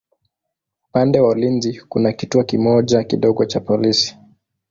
Upande wa ulinzi kuna kituo kimoja kidogo cha polisi.